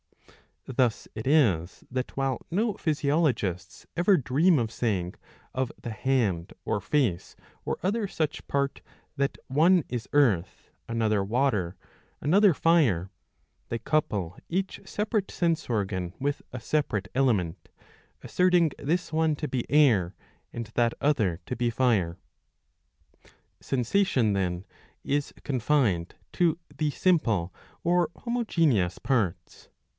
Thus it is that while no physiologists ever dream of saying of the hand or face or other such part that one is earth, another water, another fire, they couple each separate sense organ with a separate element, asserting this one to be air and that other to be fire.'^ Sensation then is confined to the simple or homogeneous parts.